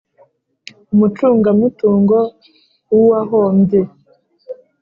umucungamutungo w uwahombye